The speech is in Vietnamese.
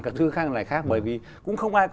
các thứ khác này khác